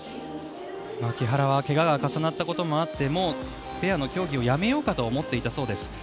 木原は怪我が重なったこともあってもうペアの競技をやめようかと思っていたそうです。